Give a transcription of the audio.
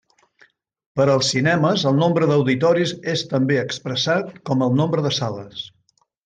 Per als cinemes, el nombre d'auditoris és també expressat com el nombre de sales.